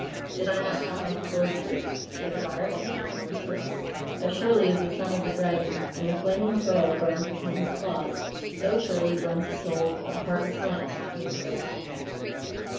"Did I not tell my lord truths?" she inquired in a demure whisper. "As surely as the sun is a dragon, and the flaming pearl burns between his claws, so surely burns the soul of Heart of Flame between thy guarding hands.